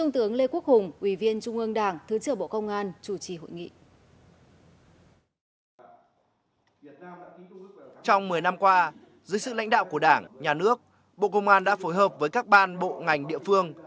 trong một mươi năm qua dưới sự lãnh đạo của đảng nhà nước bộ công an đã phối hợp với các ban bộ ngành địa phương